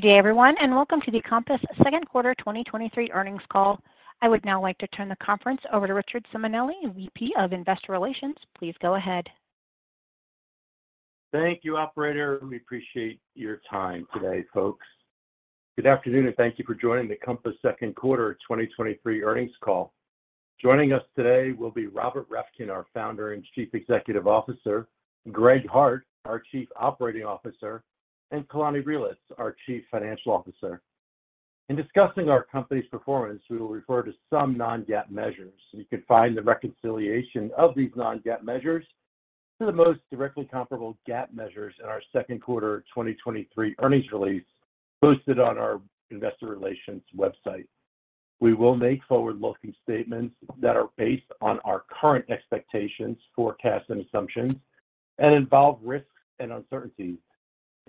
Good day, everyone. Welcome to the Compass Q2 2023 earnings call. I would now like to turn the conference over to Richard Simonelli, VP of Investor Relations. Please go ahead. Thank you, operator. We appreciate your time today, folks. Good afternoon, and thank you for joining the Compass Q2 2023 earnings call. Joining us today will be Robert Reffkin, our Founder and Chief Executive Officer, Greg Hart, our Chief Operating Officer, and Kalani Reelitz, our Chief Financial Officer. In discussing our company's performance, we will refer to some non-GAAP measures, and you can find the reconciliation of these non-GAAP measures to the most directly comparable GAAP measures in our Q2 2023 earnings release posted on our investor relations website. We will make forward-looking statements that are based on our current expectations, forecasts, and assumptions, and involve risks and uncertainties.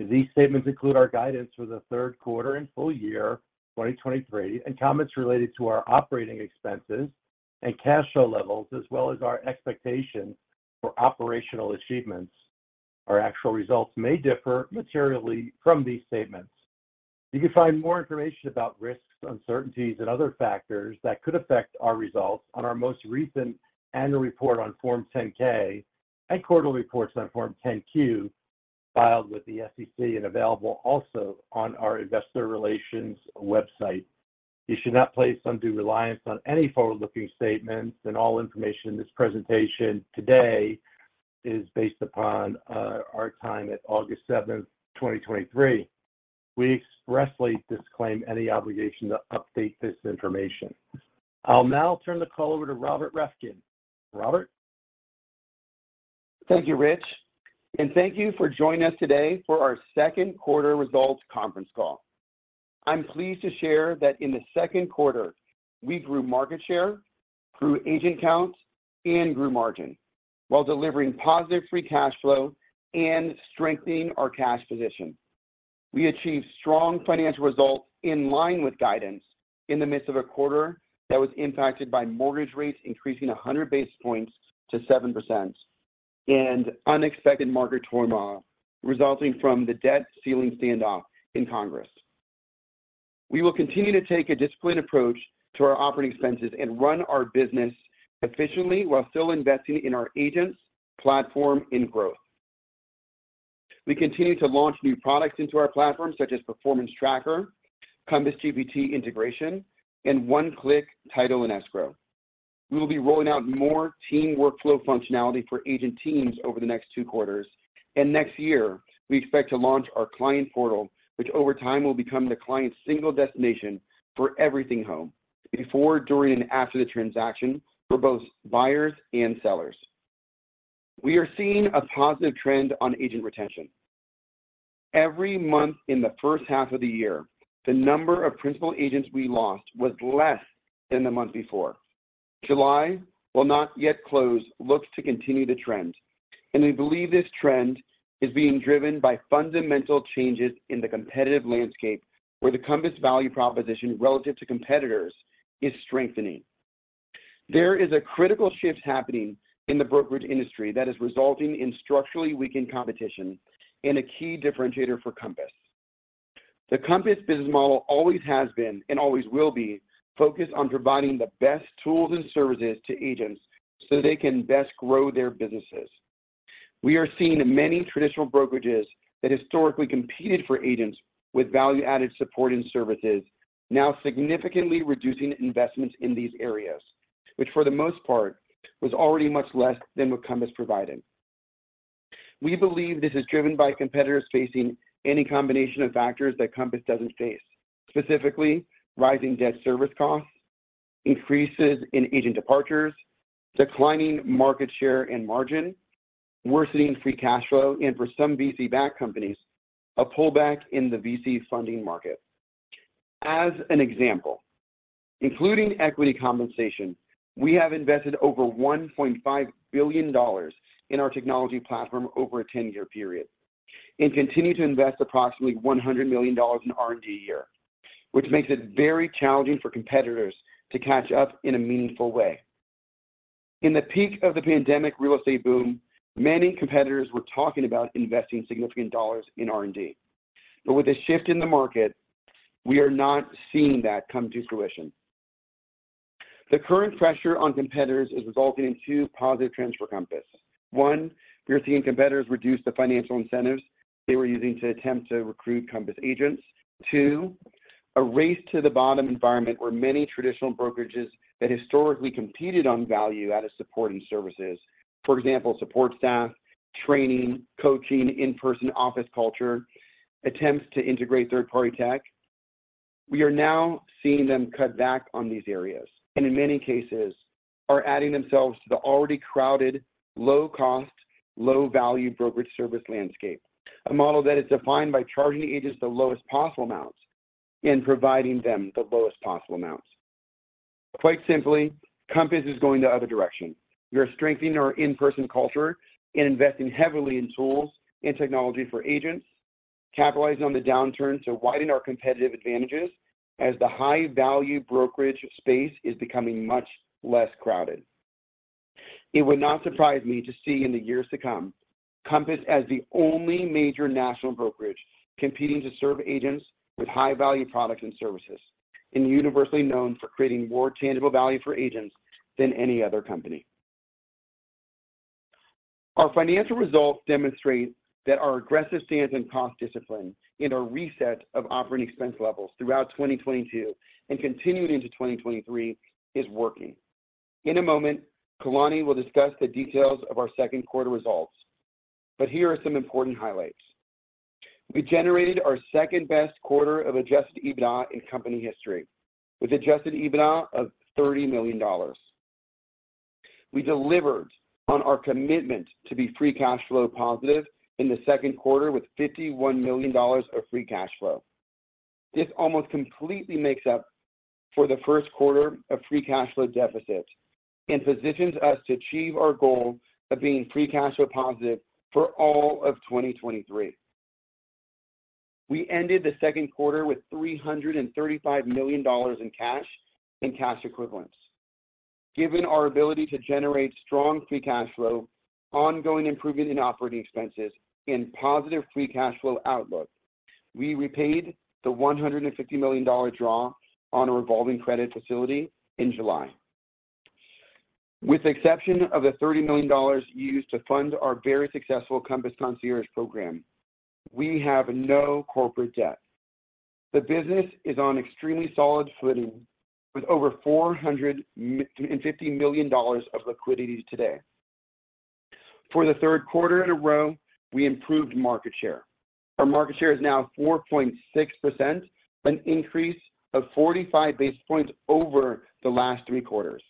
These statements include our guidance for the Q3 and full year 2023, and comments related to our operating expenses and cash flow levels, as well as our expectations for operational achievements. Our actual results may differ materially from these statements. You can find more information about risks, uncertainties, and other factors that could affect our results on our most recent annual report on Form 10-K and quarterly reports on Form 10-Q, filed with the SEC and available also on our investor relations website. You should not place undue reliance on any forward-looking statements, and all information in this presentation today is based upon our time at August 7, 2023. We expressly disclaim any obligation to update this information. I'll now turn the call over to Robert Reffkin. Robert? Thank you, Rich, thank you for joining us today for our Q2 results conference call. I'm pleased to share that in the Q2, we grew market share, grew agent counts, and grew margin, while delivering positive free cash flow and strengthening our cash position. We achieved strong financial results in line with guidance in the midst of a quarter that was impacted by mortgage rates increasing 100 basis points to 7% and unexpected market turmoil resulting from the debt ceiling standoff in Congress. We will continue to take a disciplined approach to our operating expenses and run our business efficiently while still investing in our agents, platform, and growth. We continue to launch new products into our platform, such as Performance Tracker, Compass GPT integration, and 1-Click Title & Escrow. We will be rolling out more team workflow functionality for agent teams over the next two quarters, and next year, we expect to launch our client portal, which over time will become the client's single destination for everything home, before, during, and after the transaction for both buyers and sellers. We are seeing a positive trend on agent retention. Every month in the first half of the year, the number of principal agents we lost was less than the month before. July, while not yet closed, looks to continue the trend, and we believe this trend is being driven by fundamental changes in the competitive landscape, where the Compass value proposition relative to competitors is strengthening. There is a critical shift happening in the brokerage industry that is resulting in structurally weakened competition and a key differentiator for Compass. The Compass business model always has been and always will be focused on providing the best tools and services to agents so they can best grow their businesses. We are seeing many traditional brokerages that historically competed for agents with value-added support and services now significantly reducing investments in these areas, which for the most part, was already much less than what Compass provided. We believe this is driven by competitors facing any combination of factors that Compass doesn't face. Specifically, rising debt service costs, increases in agent departures, declining market share and margin, worsening free cash flow, and for some VC-backed companies, a pullback in the VC funding market. As an example, including equity compensation, we have invested over $1.5 billion in our technology platform over a 10-year period and continue to invest approximately $100 million in R&D a year, which makes it very challenging for competitors to catch up in a meaningful way. In the peak of the pandemic real estate boom, many competitors were talking about investing significant dollars in R&D. With a shift in the market, we are not seeing that come to fruition. The current pressure on competitors is resulting in two positive trends for Compass. One, we are seeing competitors reduce the financial incentives they were using to attempt to recruit Compass agents. Two, a race-to-the-bottom environment where many traditional brokerages that historically competed on value-added support and services, for example, support staff, training, coaching, in-person office culture, attempts to integrate third-party tech. We are now seeing them cut back on these areas, and in many cases, are adding themselves to the already crowded, low-cost, low-value brokerage service landscape, a model that is defined by charging agents the lowest possible amounts and providing them the lowest possible amounts. Quite simply, Compass is going the other direction. We are strengthening our in-person culture and investing heavily in tools and technology for agents, capitalizing on the downturn to widen our competitive advantages as the high-value brokerage space is becoming much less crowded.... It would not surprise me to see in the years to come, Compass as the only major national brokerage competing to serve agents with high-value products and services, and universally known for creating more tangible value for agents than any other company. Our financial results demonstrate that our aggressive stance and cost discipline in our reset of operating expense levels throughout 2022 and continuing into 2023 is working. In a moment, Kalani will discuss the details of our Q2 results, but here are some important highlights. We generated our second-best quarter of Adjusted EBITDA in company history, with Adjusted EBITDA of $30 million. We delivered on our commitment to be free cash flow positive in the Q2 with $51 million of free cash flow. This almost completely makes up for the Q1 of free cash flow deficits and positions us to achieve our goal of being free cash flow positive for all of 2023. We ended the Q2 with $335 million in cash and cash equivalents. Given our ability to generate strong free cash flow, ongoing improvement in operating expenses, and positive free cash flow outlook, we repaid the $150 million draw on a revolving credit facility in July. With the exception of the $30 million used to fund our very successful Compass Concierge program, we have no corporate debt. The business is on extremely solid footing, with over $450 million of liquidity today. For the Q3 in a row, we improved market share. Our market share is now 4.6%, an increase of 45 basis points over the last three quarters.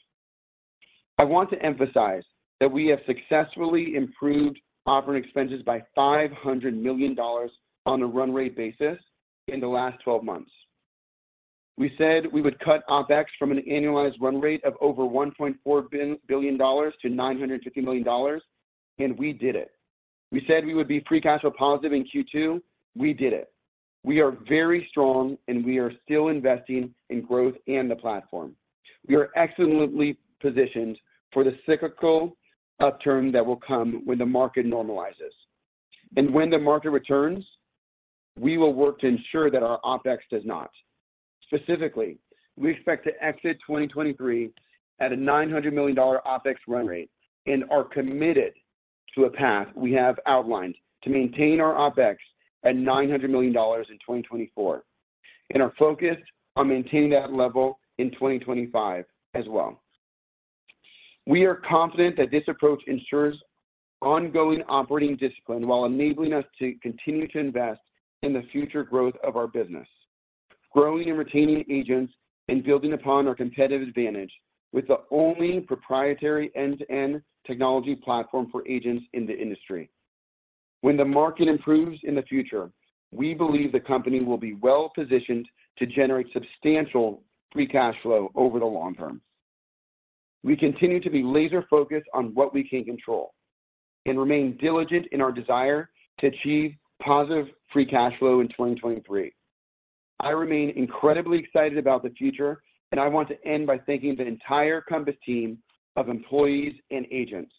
I want to emphasize that we have successfully improved operating expenses by $500 million on a run rate basis in the last 12 months. We said we would cut OpEx from an annualized run rate of over $1.4 billion to $950 million, we did it. We said we would be free cash flow positive in Q2, we did it. We are very strong, we are still investing in growth and the platform. We are excellently positioned for the cyclical upturn that will come when the market normalizes. When the market returns, we will work to ensure that our OpEx does not. Specifically, we expect to exit 2023 at a $900 million OpEx run rate and are committed to a path we have outlined to maintain our OpEx at $900 million in 2024, are focused on maintaining that level in 2025 as well. We are confident that this approach ensures ongoing operating discipline while enabling us to continue to invest in the future growth of our business, growing and retaining agents and building upon our competitive advantage with the only proprietary end-to-end technology platform for agents in the industry. When the market improves in the future, we believe the company will be well-positioned to generate substantial free cash flow over the long term. We continue to be laser-focused on what we can control and remain diligent in our desire to achieve positive free cash flow in 2023. I remain incredibly excited about the future, and I want to end by thanking the entire Compass team of employees and agents.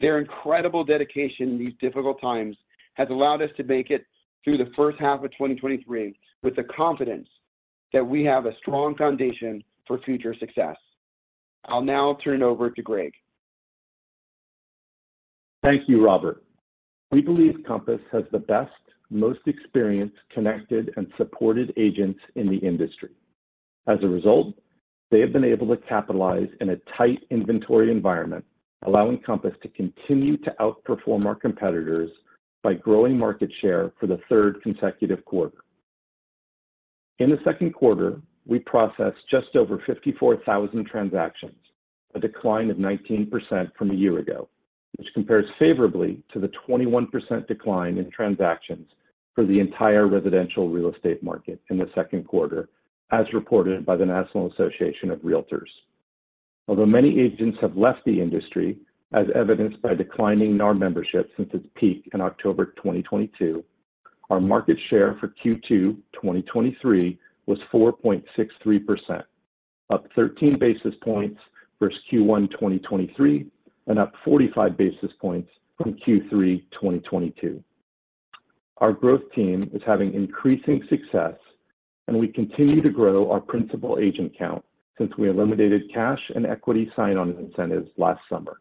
Their incredible dedication in these difficult times has allowed us to make it through the first half of 2023 with the confidence that we have a strong foundation for future success. I'll now turn it over to Greg. Thank you, Robert. We believe Compass has the best, most experienced, connected, and supported agents in the industry. As a result, they have been able to capitalize in a tight inventory environment, allowing Compass to continue to outperform our competitors by growing market share for the third consecutive quarter. In the Q2, we processed just over 54,000 transactions, a decline of 19% from a year ago, which compares favorably to the 21% decline in transactions for the entire residential real estate market in the Q2, as reported by the National Association of REALTORS. Although many agents have left the industry, as evidenced by declining NAR membership since its peak in October 2022, our market share for Q2 2023 was 4.63%, up 13 basis points versus Q1 2023, and up 45 basis points from Q3 2022. Our growth team is having increasing success, and we continue to grow our principal agent count since we eliminated cash and equity sign-on incentives last summer.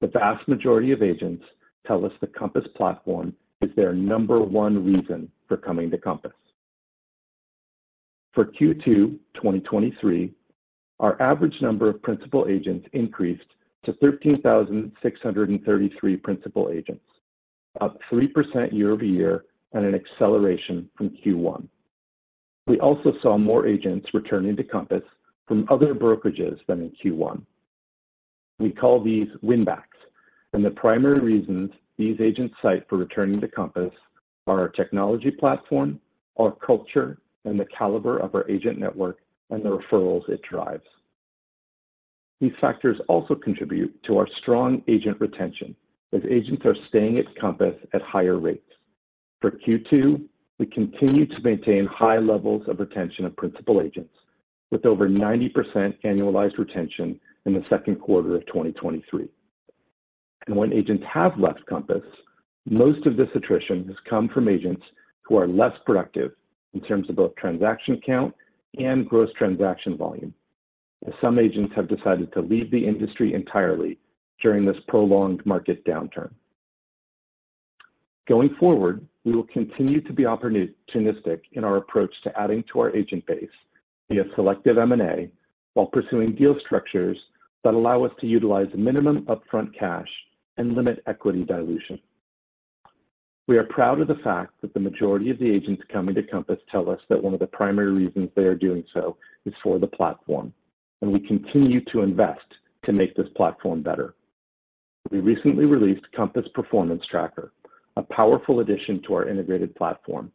The vast majority of agents tell us the Compass platform is their number one reason for coming to Compass. For Q2 2023, our average number of principal agents increased to 13,633 principal agents, up 3% year-over-year and an acceleration from Q1. We also saw more agents returning to Compass from other brokerages than in Q1. We call these win-backs, and the primary reasons these agents cite for returning to Compass are our technology platform, our culture, and the caliber of our agent network and the referrals it drives. These factors also contribute to our strong agent retention, as agents are staying at Compass at higher rates. For Q2, we continued to maintain high levels of retention of principal agents, with over 90% annualized retention in the Q2 of 2023. When agents have left Compass, most of this attrition has come from agents who are less productive in terms of both transaction count and gross transaction volume, as some agents have decided to leave the industry entirely during this prolonged market downturn. Going forward, we will continue to be opportunistic in our approach to adding to our agent base via selective M&A, while pursuing deal structures that allow us to utilize minimum upfront cash and limit equity dilution. We are proud of the fact that the majority of the agents coming to Compass tell us that one of the primary reasons they are doing so is for the platform, and we continue to invest to make this platform better. We recently released Compass Performance Tracker, a powerful addition to our integrated platform.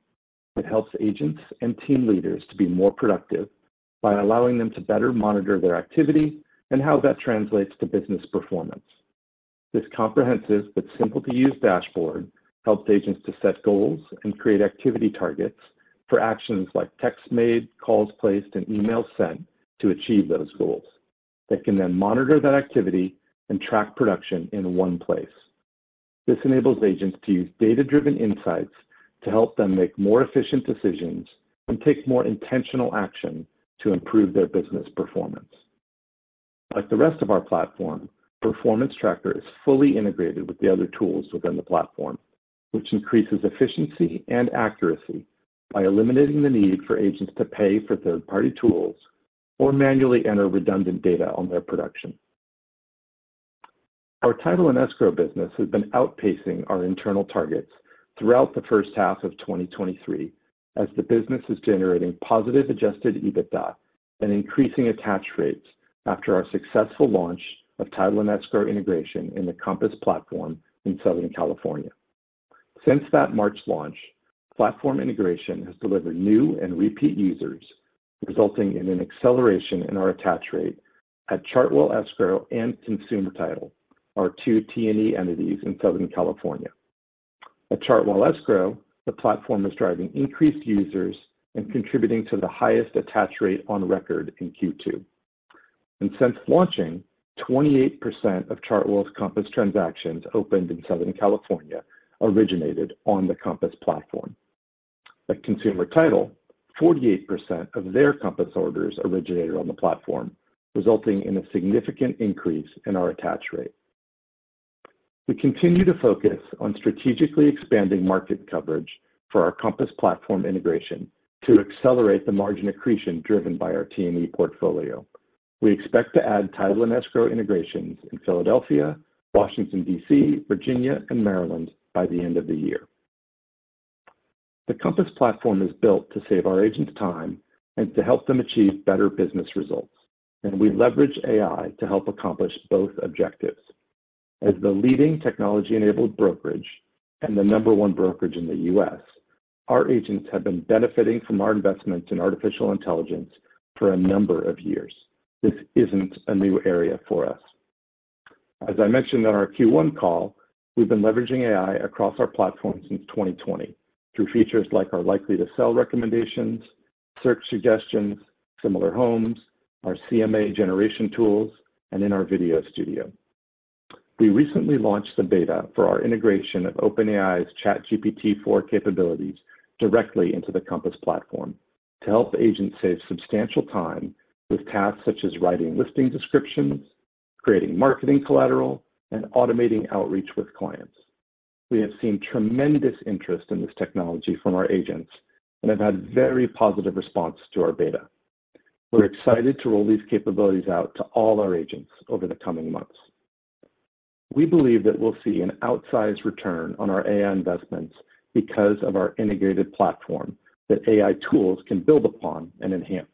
It helps agents and team leaders to be more productive by allowing them to better monitor their activity and how that translates to business performance. This comprehensive, but simple-to-use dashboard helps agents to set goals and create activity targets for actions like texts made, calls placed, and emails sent to achieve those goals. They can then monitor that activity and track production in one place. This enables agents to use data-driven insights to help them make more efficient decisions and take more intentional action to improve their business performance. Like the rest of our platform, Performance Tracker is fully integrated with the other tools within the platform, which increases efficiency and accuracy by eliminating the need for agents to pay for third-party tools or manually enter redundant data on their production. Our title and escrow business has been outpacing our internal targets throughout the first half of 2023, as the business is generating positive Adjusted EBITDA and increasing attach rates after our successful launch of title and escrow integration in the Compass platform in Southern California. Since that March launch, platform integration has delivered new and repeat users, resulting in an acceleration in our attach rate at Chartwell Escrow and Consumer Title, our two T&E entities in Southern California. At Chartwell Escrow, the platform is driving increased users and contributing to the highest attach rate on record in Q2. Since launching, 28% of Chartwell's Compass transactions opened in Southern California originated on the Compass platform. At Consumer Title, 48% of their Compass orders originated on the platform, resulting in a significant increase in our attach rate. We continue to focus on strategically expanding market coverage for our Compass platform integration to accelerate the margin accretion driven by our T&E portfolio. We expect to add title and escrow integrations in Philadelphia, Washington, D.C., Virginia, and Maryland by the end of the year. The Compass platform is built to save our agents time and to help them achieve better business results, we leverage AI to help accomplish both objectives. As the leading technology-enabled brokerage and the number one brokerage in the U.S., our agents have been benefiting from our investments in artificial intelligence for a number of years. This isn't a new area for us. As I mentioned on our Q1 call, we've been leveraging AI across our platform since 2020 through features like our Likely to Sell recommendations, search suggestions, similar homes, our CMA generation tools, and in our Video Studio. We recently launched the beta for our integration of OpenAI's ChatGPT 4 capabilities directly into the Compass platform to help agents save substantial time with tasks such as writing listing descriptions, creating marketing collateral, and automating outreach with clients. We have seen tremendous interest in this technology from our agents and have had very positive response to our beta. We're excited to roll these capabilities out to all our agents over the coming months. We believe that we'll see an outsized return on our AI investments because of our integrated platform that AI tools can build upon and enhance.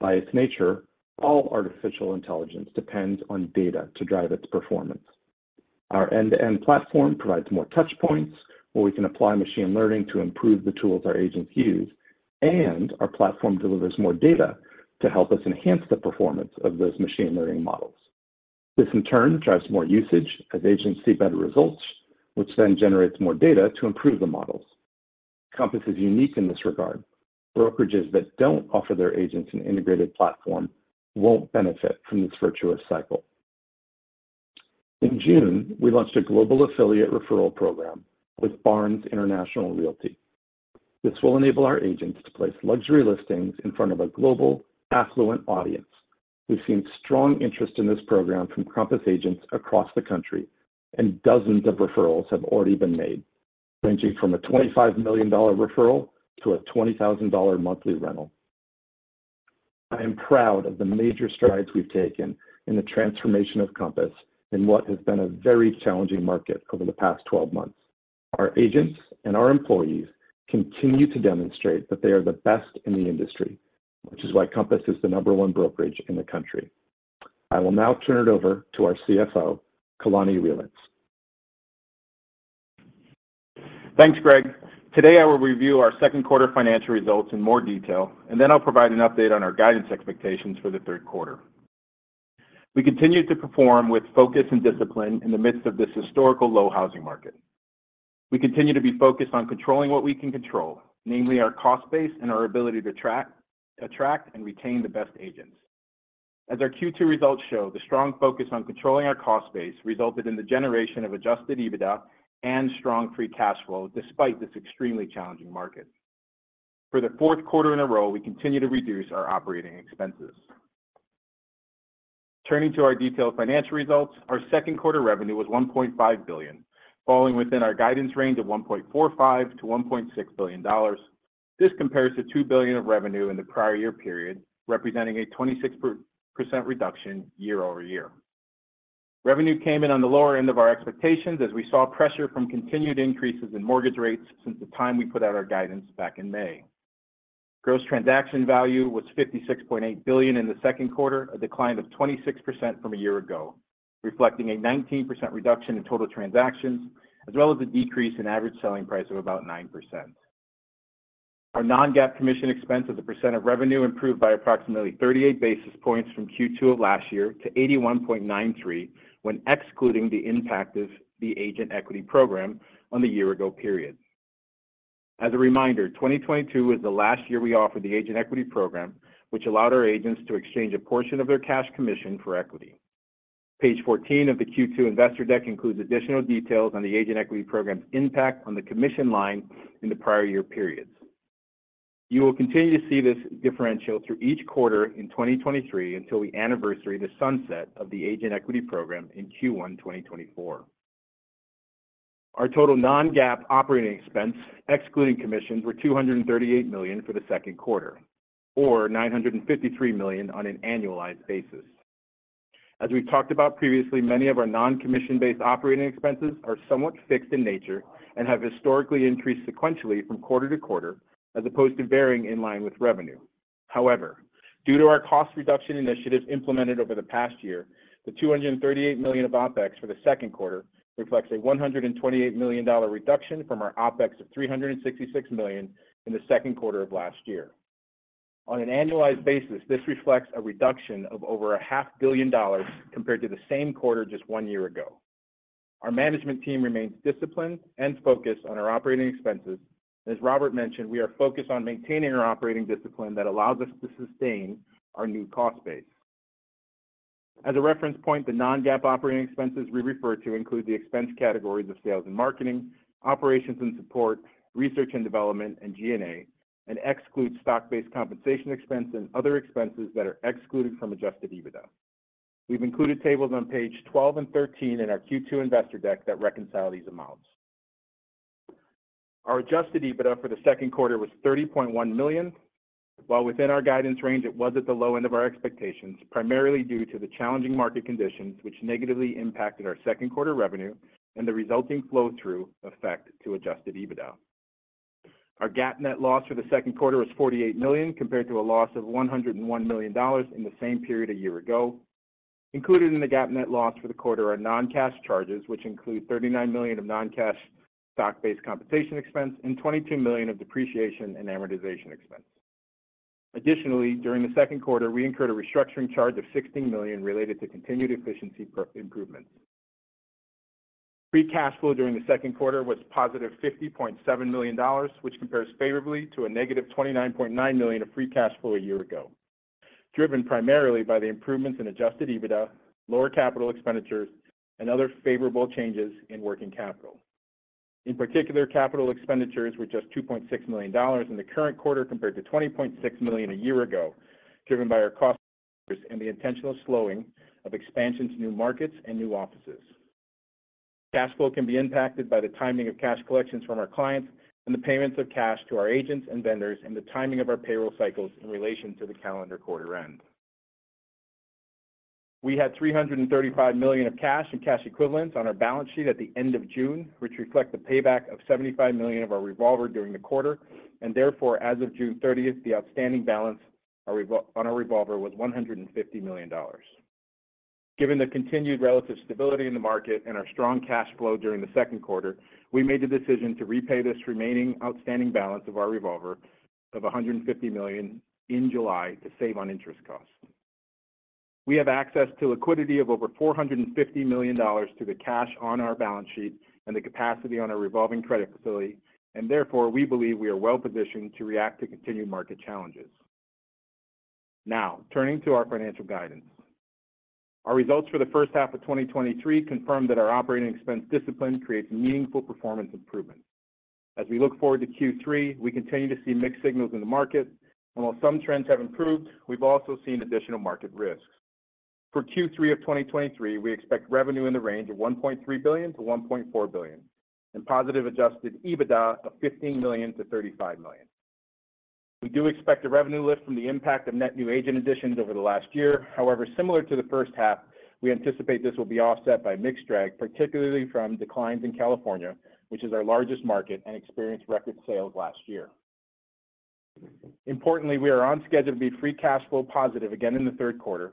By its nature, all artificial intelligence depends on data to drive its performance. Our end-to-end platform provides more touch points where we can apply machine learning to improve the tools our agents use, our platform delivers more data to help us enhance the performance of those machine learning models. This, in turn, drives more usage as agents see better results, which then generates more data to improve the models. Compass is unique in this regard. Brokerages that don't offer their agents an integrated platform won't benefit from this virtuous cycle. In June, we launched a global affiliate referral program with BARNES International Realty. This will enable our agents to place luxury listings in front of a global, affluent audience. We've seen strong interest in this program from Compass agents across the country. Dozens of referrals have already been made, ranging from a $25 million referral to a $20,000 monthly rental. I am proud of the major strides we've taken in the transformation of Compass in what has been a very challenging market over the past 12 months. Our agents and our employees continue to demonstrate that they are the best in the industry, which is why Compass is the number one brokerage in the country. I will now turn it over to our CFO, Kalani Reelitz. Thanks, Greg. Today, I will review our Q2 financial results in more detail. Then I'll provide an update on our guidance expectations for the Q3. We continued to perform with focus and discipline in the midst of this historical low housing market. We continue to be focused on controlling what we can control, namely our cost base and our ability to attract and retain the best agents. As our Q2 results show, the strong focus on controlling our cost base resulted in the generation of Adjusted EBITDA and strong free cash flow, despite this extremely challenging market. For the Q4 in a row, we continue to reduce our operating expenses. Turning to our detailed financial results, our Q2 revenue was $1.5 billion, falling within our guidance range of $1.45 billion-$1.6 billion. This compares to $2 billion of revenue in the prior year period, representing a 26% reduction year-over-year. Revenue came in on the lower end of our expectations, as we saw pressure from continued increases in mortgage rates since the time we put out our guidance back in May. Gross transaction value was $56.8 billion in the Q2, a decline of 26% from a year ago, reflecting a 19% reduction in total transactions, as well as a decrease in average selling price of about 9%. Our non-GAAP commission expense as a percent of revenue improved by approximately 38 basis points from Q2 of last year to 81.93, when excluding the impact of the Agent Equity Program on the year ago period. As a reminder, 2022 was the last year we offered the Agent Equity Program, which allowed our agents to exchange a portion of their cash commission for equity. Page 14 of the Q2 investor deck includes additional details on the Agent Equity Program's impact on the commission line in the prior year periods. You will continue to see this differential through each quarter in 2023 until we anniversary the sunset of the Agent Equity Program in Q1, 2024. Our total non-GAAP operating expense, excluding commissions, were $238 million for the Q2, or $953 million on an annualized basis. As we've talked about previously, many of our non-commission-based operating expenses are somewhat fixed in nature and have historically increased sequentially from quarter to quarter, as opposed to varying in line with revenue. However, due to our cost reduction initiatives implemented over the past year, the $238 million of OpEx for the Q2 reflects a $128 million reduction from our OpEx of $366 million in the Q2 of last year. On an annualized basis, this reflects a reduction of over $500 million compared to the same quarter just one year ago. Our management team remains disciplined and focused on our operating expenses. As Robert mentioned, we are focused on maintaining our operating discipline that allows us to sustain our new cost base. As a reference point, the non-GAAP operating expenses we refer to include the expense categories of sales and marketing, operations and support, research and development, and G&A, and excludes stock-based compensation expense and other expenses that are excluded from Adjusted EBITDA. We've included tables on page 12 and 13 in our Q2 investor deck that reconcile these amounts. Our Adjusted EBITDA for the Q2 was $30.1 million. While within our guidance range, it was at the low end of our expectations, primarily due to the challenging market conditions, which negatively impacted our Q2 revenue and the resulting flow-through effect to Adjusted EBITDA. Our GAAP net loss for the Q2 was $48 million, compared to a loss of $101 million in the same period a year ago. Included in the GAAP net loss for the quarter are non-cash charges, which include $39 million of non-cash stock-based compensation expense and $22 million of depreciation and amortization expense. Additionally, during the Q2, we incurred a restructuring charge of $16 million related to continued efficiency pro-improvements. Free cash flow during the Q2 was positive $50.7 million, which compares favorably to a negative $29.9 million of free cash flow a year ago, driven primarily by the improvements in Adjusted EBITDA, lower capital expenditures, and other favorable changes in working capital. In particular, capital expenditures were just $2.6 million in the current quarter, compared to $20.6 million a year ago, driven by our cost and the intentional slowing of expansion to new markets and new offices. Cash flow can be impacted by the timing of cash collections from our clients and the payments of cash to our agents and vendors, the timing of our payroll cycles in relation to the calendar quarter end. We had $335 million of cash and cash equivalents on our balance sheet at the end of June, which reflect the payback of $75 million of our revolver during the Q2. Therefore, as of June 30th, the outstanding balance on our revolver was $150 million. Given the continued relative stability in the market and our strong cash flow during the Q2, we made the decision to repay this remaining outstanding balance of our revolver of $150 million in July to save on interest costs. We have access to liquidity of over $450 million to the cash on our balance sheet and the capacity on our revolving credit facility. Therefore, we believe we are well positioned to react to continued market challenges. Turning to our financial guidance. Our results for the first half of 2023 confirm that our operating expense discipline creates meaningful performance improvement. As we look forward to Q3, we continue to see mixed signals in the market, and while some trends have improved, we've also seen additional market risks. For Q3 of 2023, we expect revenue in the range of $1.3 billion-$1.4 billion, and positive Adjusted EBITDA of $15 million-$35 million. We do expect a revenue lift from the impact of net new agent additions over the last year. However, similar to the first half, we anticipate this will be offset by mix drag, particularly from declines in California, which is our largest market and experienced record sales last year. Importantly, we are on schedule to be free cash flow positive again in the Q3.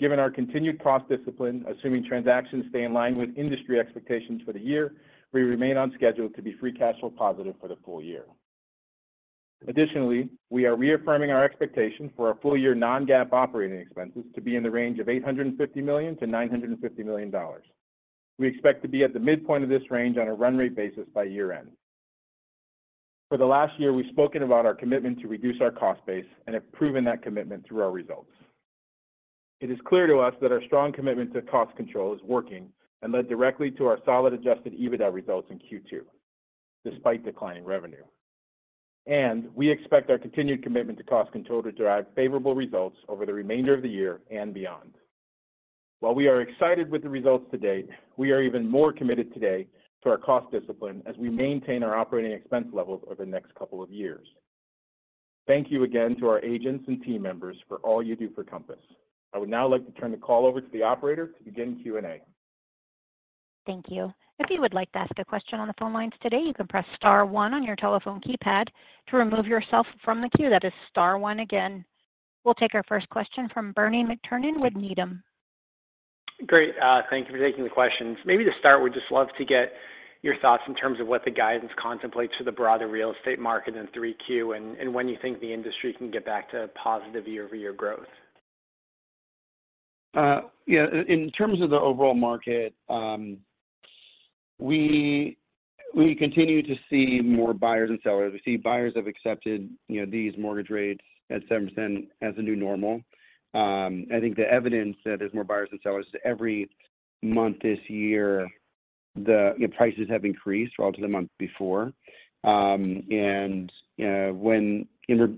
Given our continued cost discipline, assuming transactions stay in line with industry expectations for the year, we remain on schedule to be free cash flow positive for the full year. Additionally, we are reaffirming our expectation for our full-year non-GAAP operating expenses to be in the range of $850 million-$950 million. We expect to be at the midpoint of this range on a run rate basis by year-end. For the last year, we've spoken about our commitment to reduce our cost base and have proven that commitment through our results. It is clear to us that our strong commitment to cost control is working and led directly to our solid Adjusted EBITDA results in Q2, despite declining revenue. We expect our continued commitment to cost control to drive favorable results over the remainder of the year and beyond. While we are excited with the results to date, we are even more committed today to our cost discipline as we maintain our operating expense levels over the next couple of years. Thank you again to our agents and team members for all you do for Compass. I would now like to turn the call over to the operator to begin Q&A. Thank you. If you would like to ask a question on the phone lines today, you can press star one on your telephone keypad to remove yourself from the queue. That is star one again. We'll take our first question from Bernie McTernan with Needham. Great. Thank you for taking the questions. Maybe to start, we'd just love to get your thoughts in terms of what the guidance contemplates for the broader real estate market in 3Q, and when you think the industry can get back to positive year-over-year growth. Yeah, in terms of the overall market, we continue to see more buyers than sellers. We see buyers have accepted, you know, these mortgage rates at 7% as the new normal. I think the evidence that there's more buyers than sellers, so every month this year, the prices have increased relative to the month before.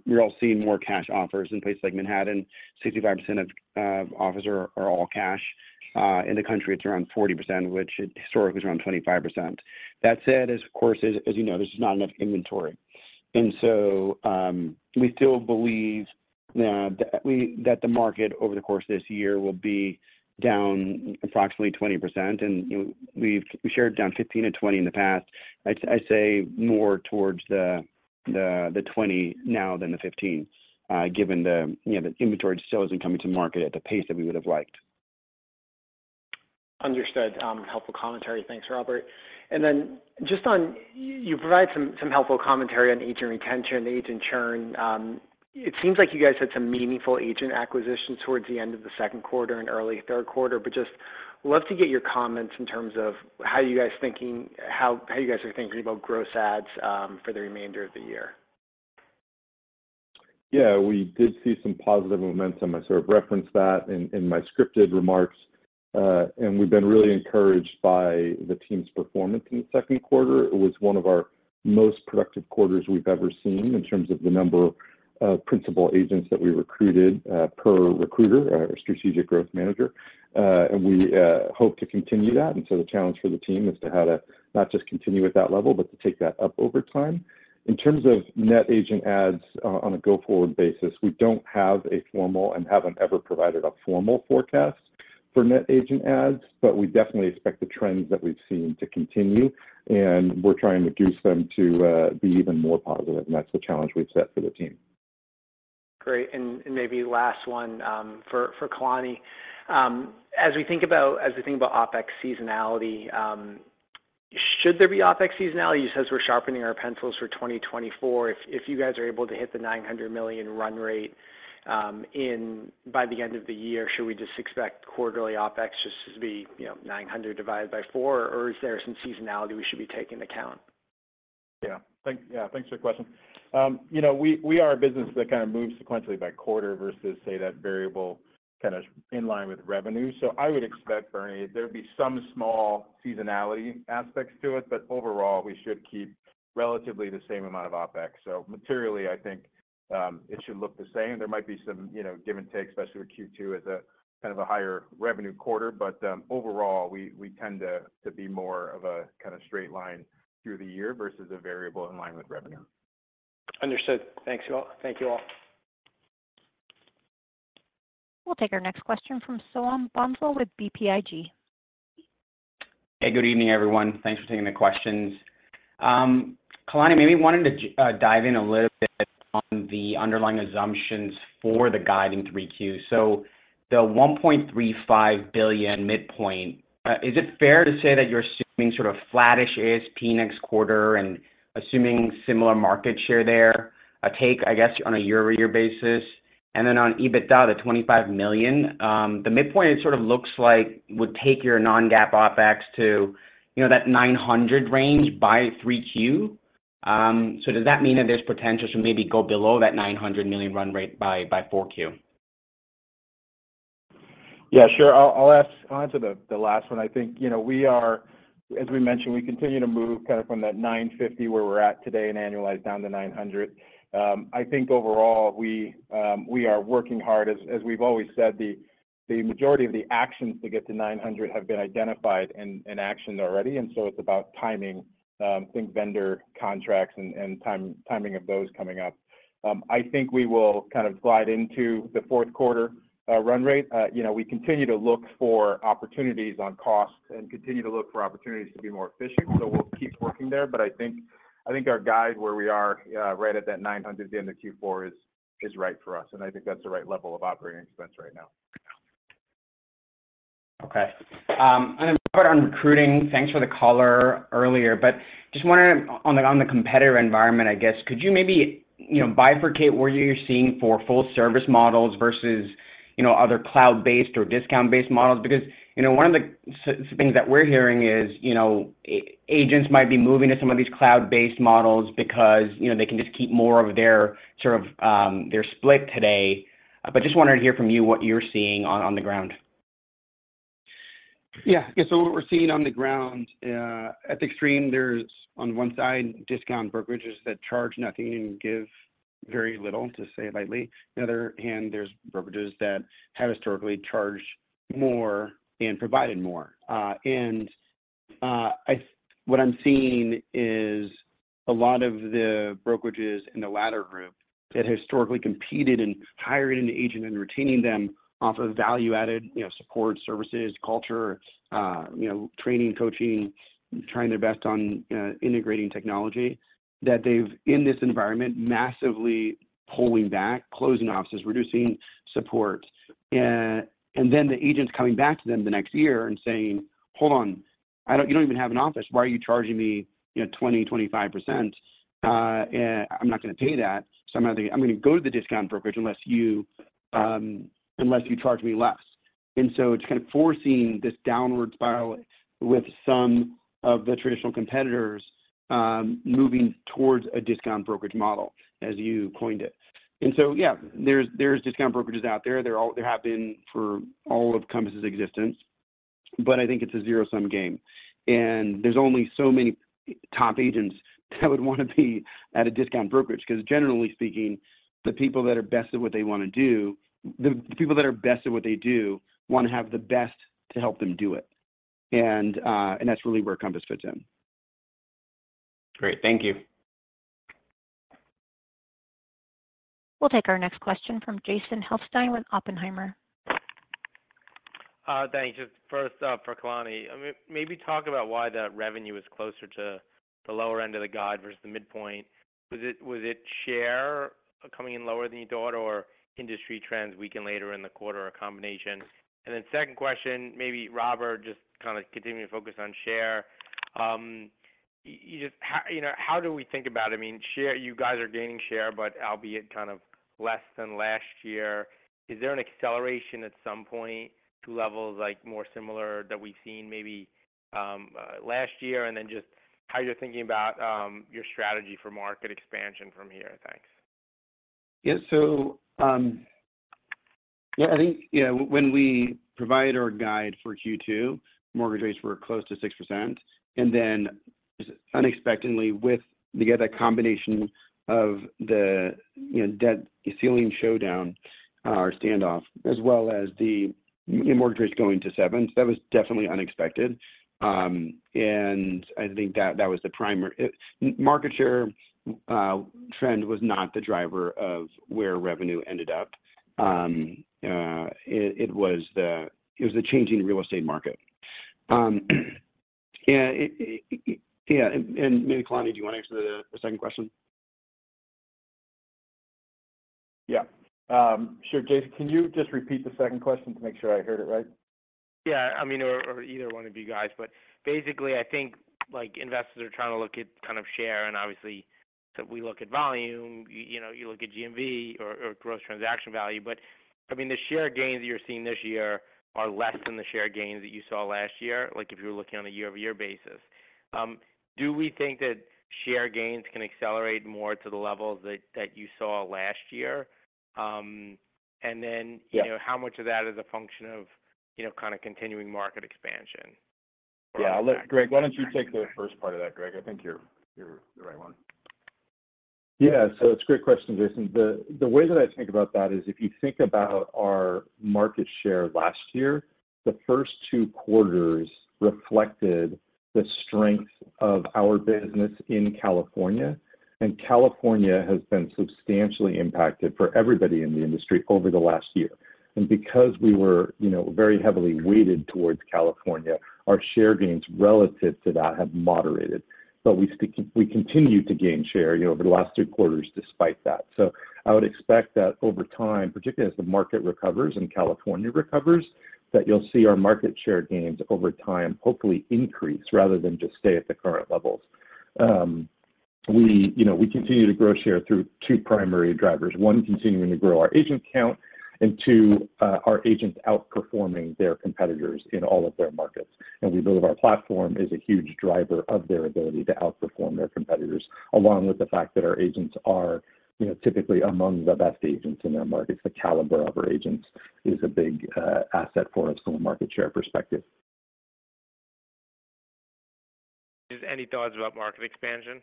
We're all seeing more cash offers. In places like Manhattan, 65% of offers are all cash. In the country, it's around 40%, which historically is around 25%. That said, as, of course, as, as you know, there's just not enough inventory. So, we still believe that the market over the course of this year will be down approximately 20%, and, you know, we've shared down 15%-20% in the past. I say more towards the, the, the 20 now than the 15, given the, you know, the inventory still isn't coming to market at the pace that we would have liked. Understood. Helpful commentary. Thanks, Robert. Then just on... you provided some, some helpful commentary on agent retention, agent churn. It seems like you guys had some meaningful agent acquisitions towards the end of the Q2 and early Q3, but just love to get your comments in terms of how you guys are thinking about gross adds for the remainder of the year. Yeah, we did see some positive momentum. I sort of referenced that in, in my scripted remarks, and we've been really encouraged by the team's performance in the Q2. It was one of our most productive quarters we've ever seen in terms of the number of principal agents that we recruited per recruiter or Strategic Growth Manager. We hope to continue that, and so the challenge for the team is to how to not just continue at that level, but to take that up over time. In terms of net agent adds, on a go-forward basis, we don't have a formal and haven't ever provided a formal forecast for net agent adds, but we definitely expect the trends that we've seen to continue, and we're trying to goose them to be even more positive, and that's the challenge we've set for the team. Great. And maybe last one for Kalani. As we think about, as we think about OpEx seasonality, should there be OpEx seasonality? You says we're sharpening our pencils for 2024. If you guys are able to hit the $900 million run rate in by the end of the year, should we just expect quarterly OpEx just to be, you know, $900 divided by 4, or is there some seasonality we should be taking into account? Yeah, thanks for the question. You know, we, we are a business that kind of moves sequentially by quarter versus, say, that variable kind of in line with revenue. I would expect, Bernie, there'd be some small seasonality aspects to it, but overall, we should keep relatively the same amount of OpEx. Materially, I think, it should look the same. There might be some, you know, give and take, especially with Q2 as a kind of a higher revenue quarter. Overall, we, we tend to, to be more of a kind of straight line through the year versus a variable in line with revenue. Understood. Thanks, you all. Thank you, all. We'll take our next question from Soham Bhonsle with BTIG. Hey, good evening, everyone. Thanks for taking the questions. Kalani, maybe wanted to dive in a little bit on the underlying assumptions for the guide in 3Q. The $1.35 billion midpoint, is it fair to say that you're assuming sort of flattish ASP next quarter and assuming similar market share there, a take, I guess, on a year-over-year basis? On EBITDA, the $25 million, the midpoint, it sort of looks like would take your non-GAAP OpEx to, you know, that $900 million range by 3Q. Does that mean that there's potential to maybe go below that $900 million run rate by 4Q? Yeah, sure. I'll, I'll ask-- answer the, the last one. I think, you know, we are. As we mentioned, we continue to move kind of from that 950, where we're at today, and annualize down to 900. I think overall, we, we are working hard. As we've always said, the, the majority of the actions to get to 900 have been identified and, and actioned already, and so it's about timing, things, vendor contracts and, and time- timing of those coming up. I think we will kind of glide into the Q4, run rate. You know, we continue to look for opportunities on costs and continue to look for opportunities to be more efficient, so we'll keep working there. I think, I think our guide, where we are, right at that $900 at the end of Q4 is, is right for us, and I think that's the right level of operating expense right now. Okay. On recruiting, thanks for the color earlier, but just wondering on the, on the competitor environment, I guess, could you maybe, you know, bifurcate what you're seeing for full service models versus, you know, other cloud-based or discount-based models? Because, you know, one of the things that we're hearing is, you know, agents might be moving to some of these cloud-based models because, you know, they can just keep more of their sort of, their split today. Just wanted to hear from you what you're seeing on, on the ground. Yeah. Yeah, what we're seeing on the ground, at the extreme, there's on one side, discount brokerages that charge nothing and give very little, to say lightly. On the other hand, there's brokerages that have historically charged more and provided more. What I'm seeing is a lot of the brokerages in the latter group that historically competed in hiring an agent and retaining them off of value-added, you know, support services, culture, you know, training, coaching, trying their best on, integrating technology, that they've, in this environment, massively pulling back, closing offices, reducing support. Then the agents coming back to them the next year and saying, "Hold on, I don't-- you don't even have an office. Why are you charging me, you know, 20%, 25%? I'm not going to pay that. I'm either, I'm going to go to the discount brokerage unless you, unless you charge me less. It's kind of forcing this downward spiral with some of the traditional competitors, moving towards a discount brokerage model, as you coined it. Yeah, there's, there's discount brokerages out there. There have been for all of Compass's existence, but I think it's a zero-sum game, and there's only so many top agents that would want to be at a discount brokerage, because generally speaking, the people that are best at what they want to do, the people that are best at what they do, want to have the best to help them do it. That's really where Compass fits in. Great. Thank you. We'll take our next question from Jason Helfstein with Oppenheimer. Thanks. Just first up for Kalani. Maybe talk about why that revenue is closer to the lower end of the guide versus the midpoint. Was it share coming in lower than you thought, or industry trends weakening later in the quarter, or a combination? Second question, maybe Robert, just kind of continuing to focus on share. How, you know, how do we think about it? I mean, share, you guys are gaining share, but albeit kind of less than last year. Is there an acceleration at some point to levels like more similar that we've seen maybe last year? Just how you're thinking about your strategy for market expansion from here. Thanks. Yeah. Yeah, I think, you know, when we provided our guide for Q2, mortgage rates were close to 6%. Unexpectedly, with, you get that combination of the, you know, debt ceiling showdown or standoff, as well as the mortgage rates going to 7%, that was definitely unexpected. I think that, that was the primary market share trend was not the driver of where revenue ended up. It was the, it was the changing real estate market. Yeah, maybe, Kalani, do you want to answer the second question? Yeah. Sure. Jason, can you just repeat the second question to make sure I heard it right? Yeah, I mean, or, or either one of you guys, but basically, I think, like, investors are trying to look at kind of share, and obviously, we look at volume, you know, you look at GMV or, or gross transaction value. I mean, the share gains you're seeing this year are less than the share gains that you saw last year, like if you were looking on a year-over-year basis. Do we think that share gains can accelerate more to the levels that, that you saw last year? Yeah You know, how much of that is a function of, you know, kind of continuing market expansion? Yeah. Greg, why don't you take the first part of that, Greg? I think you're, you're the right one. Yeah. It's a great question, Jason. The, the way that I think about that is, if you think about our market share last year, the first two quarters reflected the strength of our business in California. California has been substantially impacted for everybody in the industry over the last year. Because we were, you know, very heavily weighted towards California, our share gains relative to that have moderated, but we continued to gain share, you know, over the last two quarters despite that. I would expect that over time, particularly as the market recovers and California recovers, that you'll see our market share gains over time, hopefully increase rather than just stay at the current levels. We, you know, we continue to grow share through two primary drivers. 1, continuing to grow our agent count, and 2, our agents outperforming their competitors in all of their markets. We believe our platform is a huge driver of their ability to outperform their competitors, along with the fact that our agents are, you know, typically among the best agents in their markets. The caliber of our agents is a big asset for us from a market share perspective. Just any thoughts about market expansion?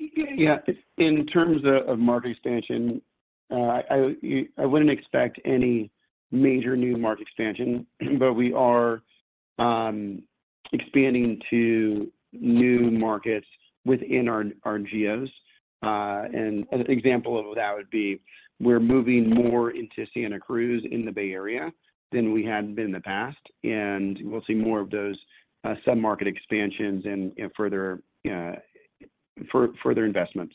Yeah. In terms of, of market expansion, I, I wouldn't expect any major new market expansion, but we are expanding to new markets within our, our geos. An example of that would be, we're moving more into Santa Cruz in the Bay Area than we had been in the past. We'll see more of those sub-market expansions and further investments.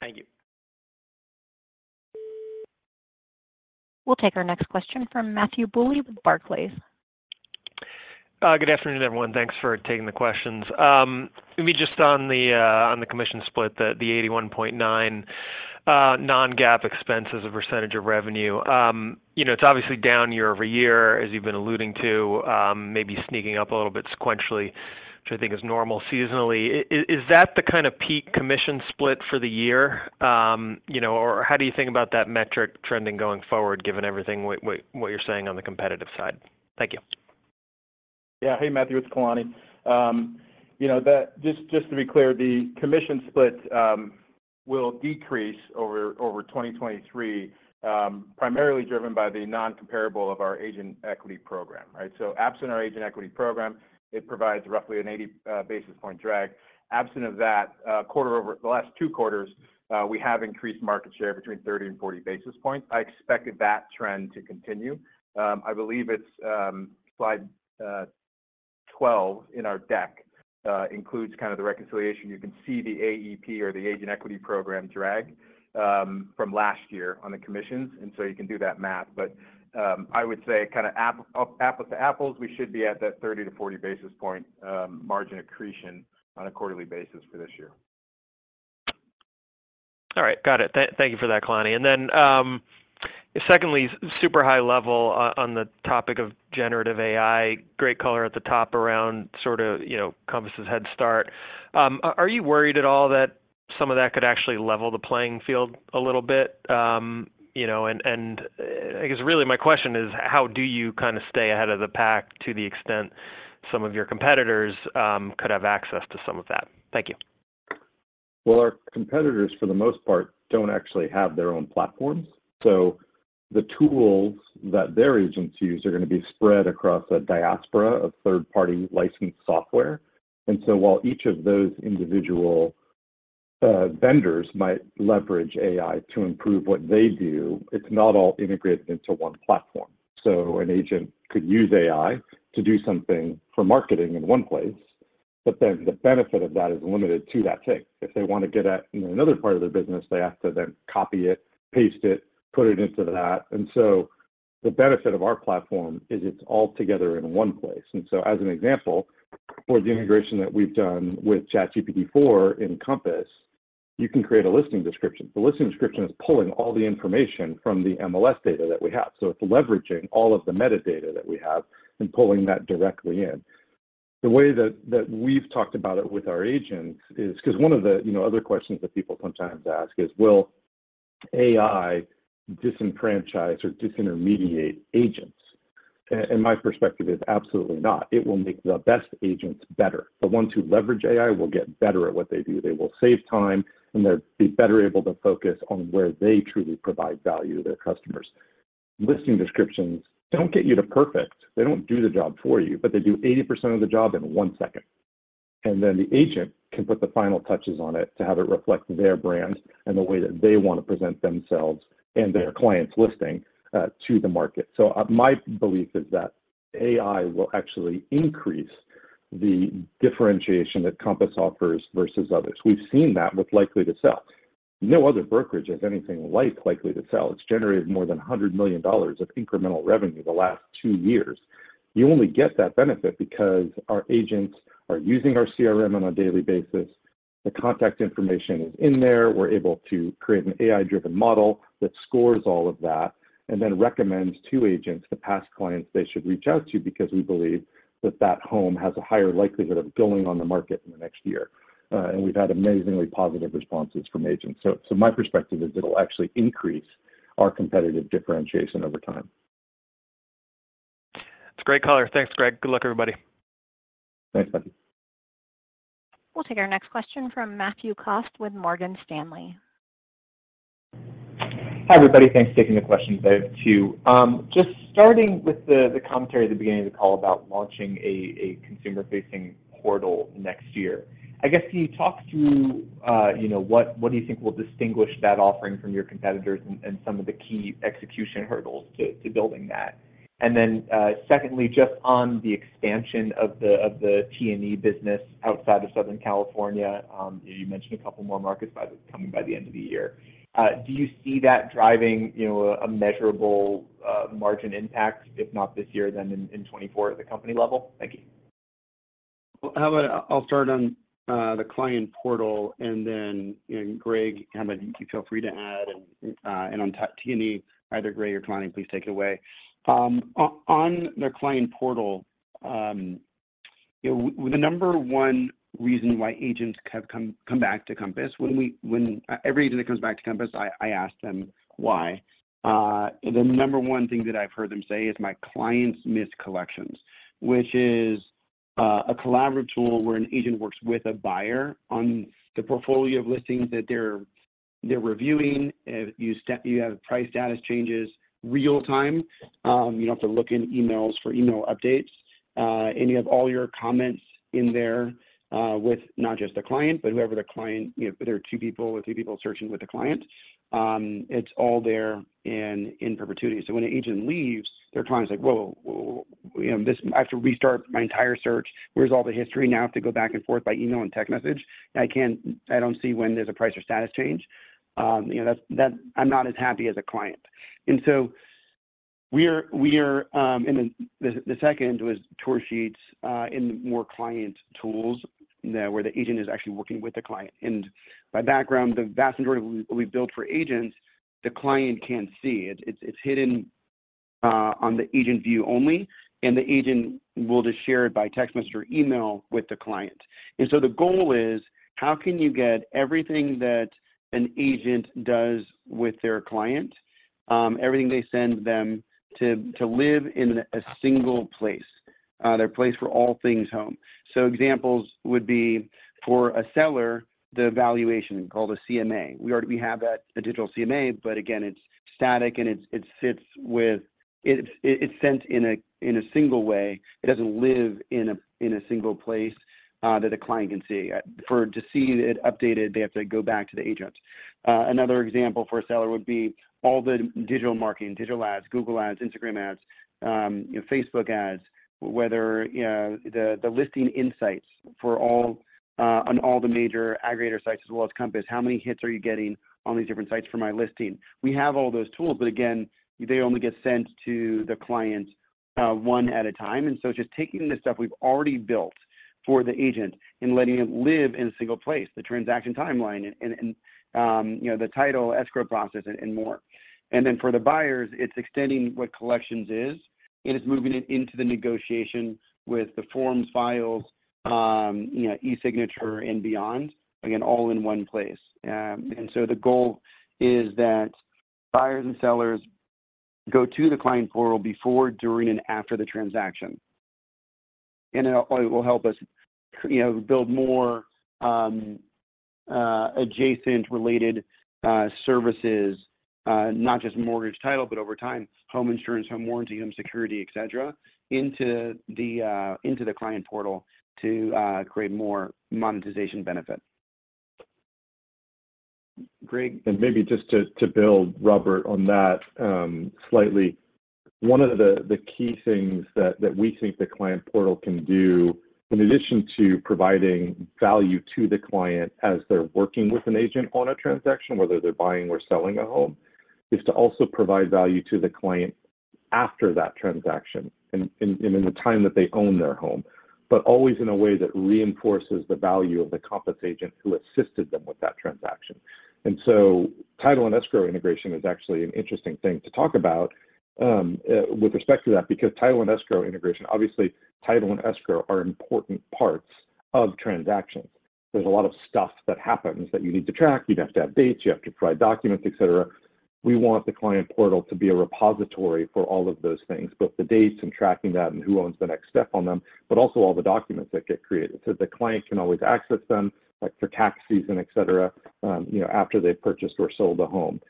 Thank you. We'll take our next question from Matthew Bouley with Barclays. Good afternoon, everyone. Thanks for taking the questions. Let me just on the on the commission split, the 81.9 non-GAAP expense as a percentage of revenue. You know, it's obviously down year-over-year, as you've been alluding to, maybe sneaking up a little bit sequentially, which I think is normal seasonally. Is that the kind of peak commission split for the year? You know, or how do you think about that metric trending going forward, given everything what you're saying on the competitive side? Thank you. Yeah. Hey, Matthew, it's Kalani. You know, that just, just to be clear, the commission split will decrease over 2023, primarily driven by the non-comparable of our Agent Equity Program, right? Absent our Agent Equity Program, it provides roughly an 80 basis point drag. Absent of that, quarter over the last 2 quarters, we have increased market share between 30 and 40 basis points. I expected that trend to continue. I believe it's slide 12 in our deck includes kind of the reconciliation. You can see the AEP or the Agent Equity Program drag from last year on the commissions, and so you can do that math. I would say kind of app to apples, we should be at that 30 to 40 basis point, margin accretion on a quarterly basis for this year. All right. Got it. Thank you for that, Kalani. Then, secondly, super high level on the topic of generative AI, great color at the top around sort of, you know, Compass's head start. Are you worried at all that some of that could actually level the playing field a little bit, you know, and, and I guess really my question is: How do you kind of stay ahead of the pack to the extent some of your competitors, could have access to some of that? Thank you. Well, our competitors, for the most part, don't actually have their own platforms, so the tools that their agents use are gonna be spread across a diaspora of third-party licensed software. While each of those individual, vendors might leverage AI to improve what they do, it's not all integrated into one platform. So an agent could use AI to do something for marketing in one place, but then the benefit of that is limited to that tick. If they want to get at, you know, another part of their business, they have to then copy it, paste it, put it into that. The benefit of our platform is it's all together in one place. As an example, for the integration that we've done with ChatGPT-4 in Compass, you can create a listing description. The listing description is pulling all the information from the MLS data that we have, so it's leveraging all of the metadata that we have and pulling that directly in. The way that we've talked about it with our agents is, because one of the, you know, other questions that people sometimes ask is, "Will AI disenfranchise or disintermediate agents?" My perspective is absolutely not. It will make the best agents better. The ones who leverage AI will get better at what they do. They will save time, and they'll be better able to focus on where they truly provide value to their customers. Listing descriptions don't get you to perfect. They don't do the job for you, but they do 80% of the job in 1 second, and then the agent can put the final touches on it to have it reflect their brand and the way that they want to present themselves and their client's listing to the market. My belief is that AI will actually increase the differentiation that Compass offers versus others. We've seen that with Likely to Sell. No other brokerage has anything like Likely to Sell. It's generated more than $100 million of incremental revenue the last 2 years. You only get that benefit because our agents are using our CRM on a daily basis. The contact information is in there. We're able to create an AI-driven model that scores all of that and then recommends to agents the past clients they should reach out to because we believe that that home has a higher likelihood of going on the market in the next year. We've had amazingly positive responses from agents. My perspective is it'll actually increase our competitive differentiation over time. It's a great caller. Thanks, Greg. Good luck, everybody. Thanks, Matthew. We'll take our next question from Matthew Cost with Morgan Stanley. Hi, everybody. Thanks for taking the questions. I have 2. Just starting with the commentary at the beginning of the call about launching a consumer-facing portal next year. I guess can you talk through, you know, what, what do you think will distinguish that offering from your competitors and, and some of the key execution hurdles to, to building that? Secondly, just on the expansion of the T&E business outside of Southern California, you mentioned a couple more markets coming by the end of the year. Do you see that driving, you know, a measurable, margin impact, if not this year, then in 2024 at the company level? Thank you. How about I'll start on the client portal, and then, and Greg, how about you feel free to add, and on T&E, either Greg or Kalani, please take it away. On the client portal, you know, the number one reason why agents have come, come back to Compass, when every agent that comes back to Compass, I, I ask them why. The number one thing that I've heard them say is: My clients miss Collections, which is a collaborative tool where an agent works with a buyer on the portfolio of listings that they're, they're reviewing. You have price status changes real time. You don't have to look in emails for email updates, and you have all your comments in there, with not just the client, but whoever the client... You know, there are two people or three people searching with the client. It's all there in, in perpetuity. When an agent leaves, their client is like: "Whoa, whoa, you know, this, I have to restart my entire search. Where's all the history now to go back and forth by email and text message? I don't see when there's a price or status change. You know, that's, I'm not as happy as a client. We are, we are, the second was tour sheets in more client tools where the agent is actually working with the client. By background, the vast majority of what we, we build for agents, the client can't see. It's, it's, it's hidden on the agent view only, and the agent will just share it by text message or email with the client. The goal is, how can you get everything that an agent does with their client, everything they send them, to live in a single place, their place for all things home? Examples would be for a seller, the valuation, called a CMA. We already-- we have that, a digital CMA, but again, it's static, and it, it sits with-- it, it, it's sent in a, in a single way. It doesn't live in a single place that a client can see. For to see it updated, they have to go back to the agent. Another example for a seller would be all the digital marketing, digital ads, Google Ads, Instagram ads, you know, Facebook ads, whether, you know, the, the listing insights for all on all the major aggregator sites, as well as Compass. How many hits are you getting on these different sites for my listing? We have all those tools, but again, they only get sent to the client one at a time. Just taking the stuff we've already built for the agent and letting it live in a single place, the transaction timeline, and, and, you know, the title, escrow process, and more. Then for the buyers, it's extending what Collections is, and it's moving it into the negotiation with the forms, files, you know, e-signature, and beyond. Again, all in one place. The goal is that buyers and sellers go to the client portal before, during, and after the transaction. It will help us, you know, build more adjacent related services, not just mortgage title, but over time, home insurance, home warranty, home security, et cetera, into the client portal to create more monetization benefit. Greg, and maybe just to build, Robert, on that, slightly. One of the key things that we think the client portal can do, in addition to providing value to the client as they're working with an agent on a transaction, whether they're buying or selling a home, is to also provide value to the client after that transaction, and in the time that they own their home, but always in a way that reinforces the value of the Compass agent who assisted them with that transaction. Title and escrow integration is actually an interesting thing to talk about with respect to that, because title and escrow integration, obviously, title and escrow are important parts of transactions. There's a lot of stuff that happens that you need to track. You'd have to have dates, you have to provide documents, et cetera. We want the client portal to be a repository for all of those things, both the dates and tracking that and who owns the next step on them, but also all the documents that get created, so the client can always access them, like for tax season, et cetera, you know, after they've purchased or sold a home.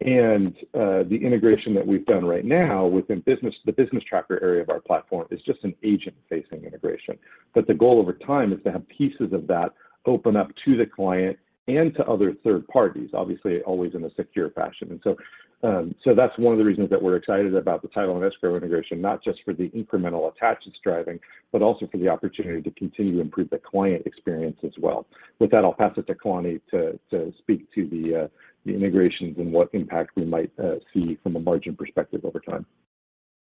The integration that we've done right now within business, the business tracker area of our platform, is just an agent-facing integration. The goal over time is to have pieces of that open up to the client and to other third parties, obviously, always in a secure fashion. So that's one of the reasons that we're excited about the title and escrow integration, not just for the incremental attaches driving, but also for the opportunity to continue to improve the client experience as well. With that, I'll pass it to Kalani to speak to the integrations and what impact we might see from a margin perspective over time.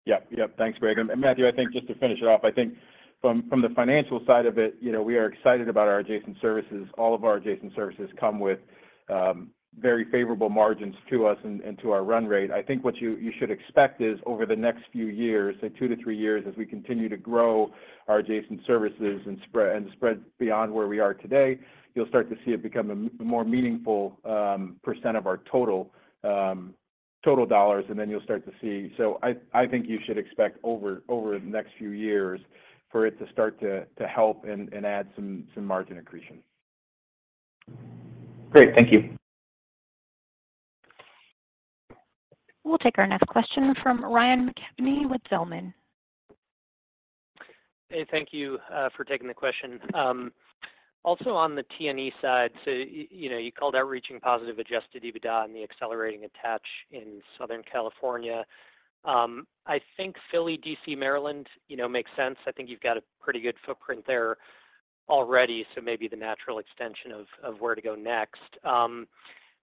Yep, yep. Thanks, Greg. Matthew, I think just to finish it off, I think from, from the financial side of it, you know, we are excited about our adjacent services. All of our adjacent services come with very favorable margins to us and, and to our run rate. I think what you, you should expect is, over the next few years, say, 2-3 years, as we continue to grow our adjacent services and spread, and spread beyond where we are today, you'll start to see it become a, a more meaningful percent of our total total dollars, and then you'll start to see. I, I think you should expect over, over the next few years, for it to start to, to help and, and add some, some margin accretion. Great. Thank you. We'll take our next question from Ryan McCafferty with Zelman. Hey, thank you, for taking the question. Also on the T&E side, so you know, you called out reaching positive Adjusted EBITDA and the accelerating attach in Southern California. I think Philly, D.C., Maryland, you know, makes sense. I think you've got a pretty good footprint there already, so maybe the natural extension of, of where to go next.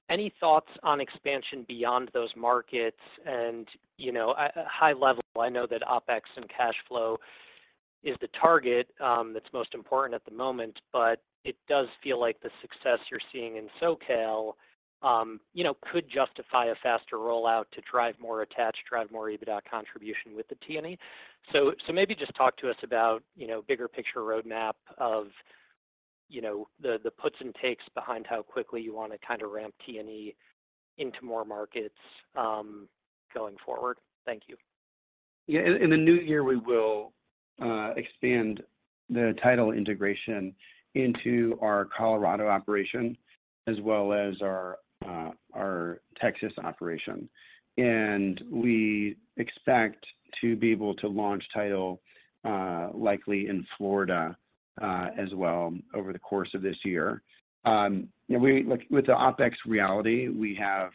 Any thoughts on expansion beyond those markets? You know, at a high level, I know that OpEx and cash flow is the target, that's most important at the moment, but it does feel like the success you're seeing in SoCal, you know, could justify a faster rollout to drive more attach, drive more EBITDA contribution with the T&E. Maybe just talk to us about, you know, bigger picture roadmap of, you know, the, the puts and takes behind how quickly you want to kind of ramp T&E into more markets, going forward? Thank you. Yeah. In the new year, we will expand the Title integration into our Colorado operation, as well as our Texas operation. We expect to be able to launch Title, likely in Florida, as well, over the course of this year. You know, we like with the OpEx reality, we have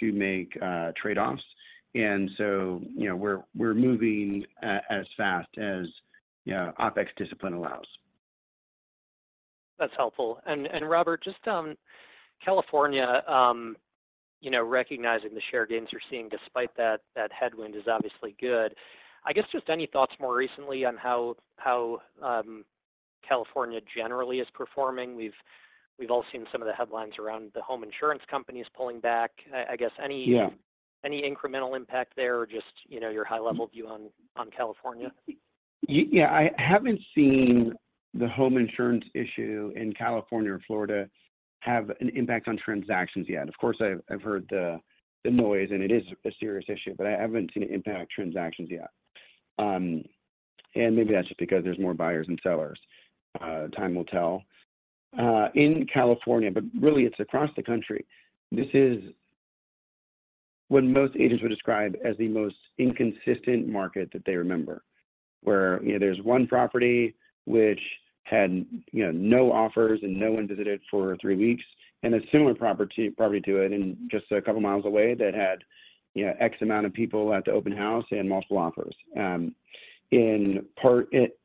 to make trade-offs, and so, you know, we're, we're moving as fast as, yeah, OpEx discipline allows. That's helpful. And, and Robert, just on California, you know, recognizing the share gains you're seeing despite that, that headwind is obviously good. I guess, just any thoughts more recently on how, how, California generally is performing? We've, we've all seen some of the headlines around the home insurance companies pulling back. I guess any- Yeah. Any incremental impact there or just, you know, your high-level view on California? Yeah, I haven't seen the home insurance issue in California and Florida have an impact on transactions yet. Of course, I've, I've heard the, the noise, and it is a serious issue, but I haven't seen it impact transactions yet. Maybe that's just because there's more buyers than sellers. Time will tell. In California, but really it's across the country, this is what most agents would describe as the most inconsistent market that they remember, where, you know, there's one property which had, you know, no offers, and no one visited it for three weeks, and a similar property probably to it and just a couple miles away that had, you know, X amount of people at the open house and multiple offers. In part, it,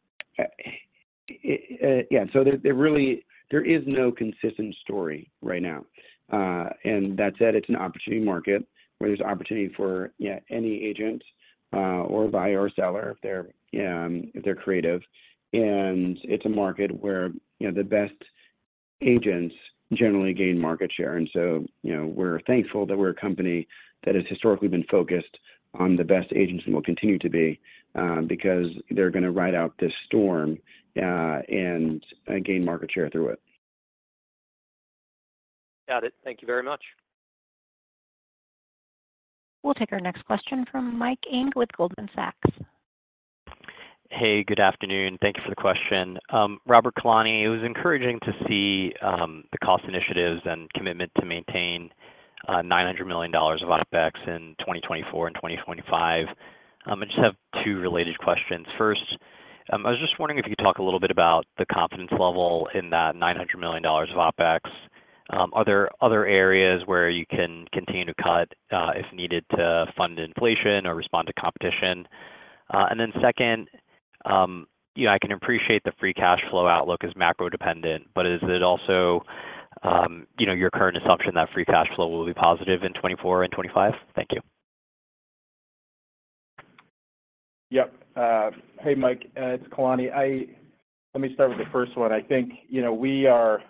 yeah, there, there really, there is no consistent story right now. That said, it's an opportunity market, where there's opportunity for, yeah, any agent, or buyer or seller if they're, if they're creative. It's a market where, you know, the best agents generally gain market share. You know, we're thankful that we're a company that has historically been focused on the best agents and will continue to be, because they're gonna ride out this storm, and gain market share through it. Got it. Thank you very much. We'll take our next question from Michael Ng with Goldman Sachs. Hey, good afternoon. Thank you for the question. Robert, Kalani, it was encouraging to see the cost initiatives and commitment to maintain $900 million of OpEx in 2024 and 2025. I just have two related questions. First, I was just wondering if you could talk a little bit about the confidence level in that $900 million of OpEx. Are there other areas where you can continue to cut, if needed, to fund inflation or respond to competition? Then second, you know, I can appreciate the free cash flow outlook as macro-dependent, but is it also, you know, your current assumption that free cash flow will be positive in 2024 and 2025? Thank you. Yep. Hey, Mike, it's Kalani. Let me start with the first one. I think, you know, we are,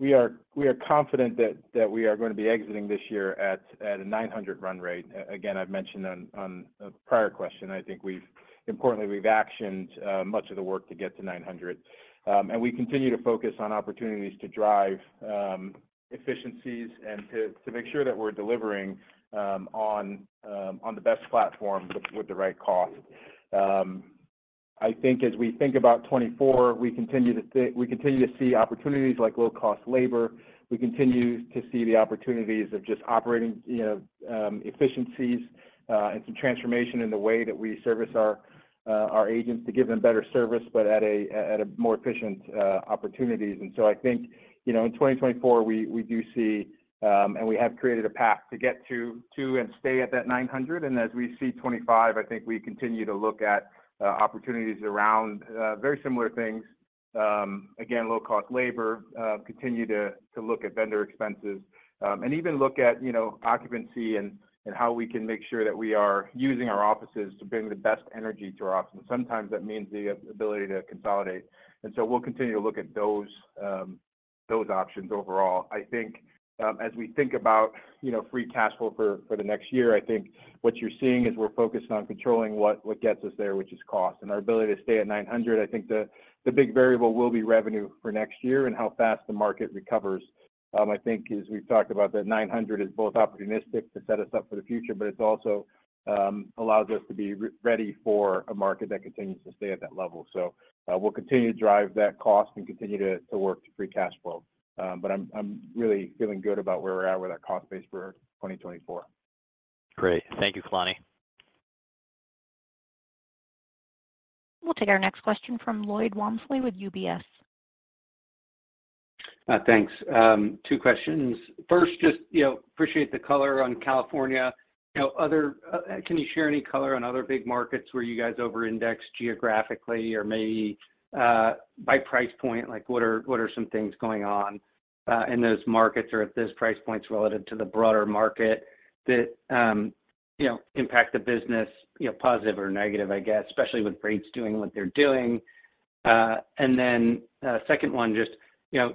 we are, we are confident that, that we are going to be exiting this year at, at a 900 run rate. Again, I've mentioned on, on a prior question, I think we've importantly, we've actioned much of the work to get to 900. And we continue to focus on opportunities to drive efficiencies and to, to make sure that we're delivering on the best platform with, with the right cost. I think as we think about 2024, we continue to we continue to see opportunities like low-cost labor. We continue to see the opportunities of just operating, you know, efficiencies, and some transformation in the way that we service our agents to give them better service, but at a more efficient opportunities. So I think, you know, in 2024, we, we do see, and we have created a path to get to and stay at that 900. As we see 2025, I think we continue to look at opportunities around very similar things. Again, low-cost labor, continue to look at vendor expenses, and even look at, you know, occupancy and how we can make sure that we are using our offices to bring the best energy to our offices. Sometimes that means the ability to consolidate, so we'll continue to look at those options overall. I think, as we think about, you know, free cash flow for, for the next year, I think what you're seeing is we're focused on controlling what, what gets us there, which is cost. Our ability to stay at $900 million, I think the, the big variable will be revenue for next year and how fast the market recovers. I think as we've talked about, that $900 million is both opportunistic to set us up for the future, but it's also, allows us to be ready for a market that continues to stay at that level. We'll continue to drive that cost and continue to, to work to free cash flow. I'm, I'm really feeling good about where we're at with our cost base for 2024. Great. Thank you, Kalani. We'll take our next question from Lloyd Walmsley with UBS. Thanks. Two questions. First, just, you know, appreciate the color on California. You know, other... Can you share any color on other big markets where you guys overindexed geographically or maybe, by price point? Like, what are, what are some things going on, in those markets or at those price points relative to the broader market that, you know, impact the business, you know, positive or negative, I guess, especially with rates doing what they're doing? And then, second one, just, you know,